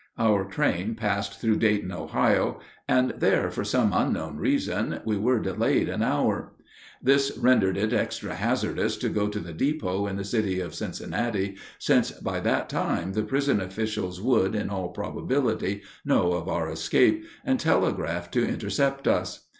Our train passed through Dayton, Ohio, and there, for some unknown reason, we were delayed an hour. This rendered it extra hazardous to go to the depot in the city of Cincinnati, since by that time the prison officials would, in all probability, know of our escape, and telegraph to intercept us.